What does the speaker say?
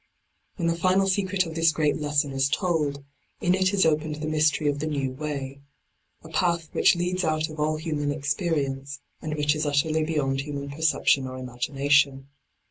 When the final secret of this great lesson is told, in it is opened the mystery of the new way — a path which leads out of all human experience, and which is utterly beyond human perception or imagination.